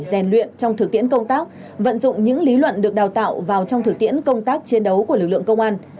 rèn luyện trong thực tiễn công tác vận dụng những lý luận được đào tạo vào trong thực tiễn công tác chiến đấu của lực lượng công an